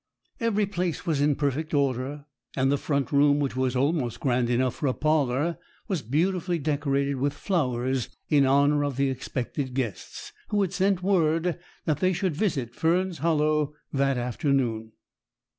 Every place was in perfect order; and the front room, which was almost grand enough for a parlour, was beautifully decorated with flowers in honour of the expected guests, who had sent word that they should visit Fern's Hollow that afternoon.